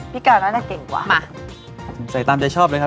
กาวน่าจะเก่งกว่ามาใส่ตามใจชอบเลยครับ